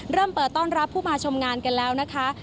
เริ่มเปิดต้อนรับผู้มาชมงานกันแล้วนะคะ